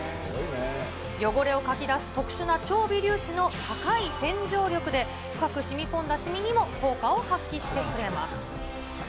汚れをかき出す特殊な超微粒子の高い洗浄力で、深くしみこんだしみにも効果を発揮してくれます。